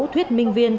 thuyết minh viên